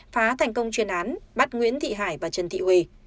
phá thành công chuyên án bắt nguyễn thị hải và trần thị huy